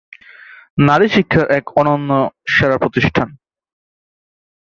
নারী শিক্ষার এক অন্যন্য সেরা প্রতিষ্ঠান।